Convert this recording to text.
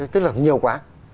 tức là nhiều quá